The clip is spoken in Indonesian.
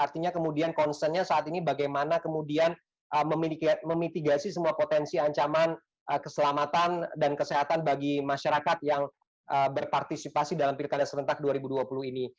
artinya kemudian concernnya saat ini bagaimana kemudian memitigasi semua potensi ancaman keselamatan dan kesehatan bagi masyarakat yang berpartisipasi dalam pilkada serentak dua ribu dua puluh ini